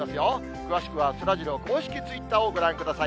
詳しくはそらジロー公式ツイッターをご覧ください。